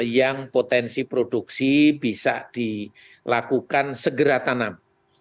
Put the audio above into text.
yang potensi produksi bisa dilakukan segera tanam